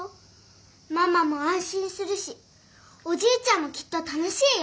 ママもあんしんするしおじいちゃんもきっと楽しいよ。